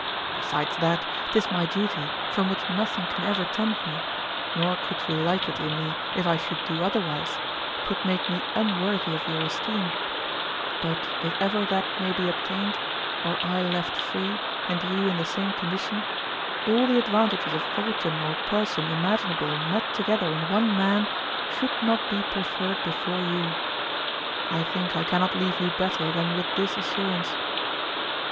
Besides that, 'tis my duty, from which nothing can ever tempt me, nor could you like it in me if I should do otherwise, 'twould make me unworthy of your esteem; but if ever that may be obtained, or I left free, and you in the same condition, all the advantages of fortune or person imaginable met together in one man should not be preferred before you. I think I cannot leave you better than with this assurance.